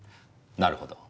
なるほど。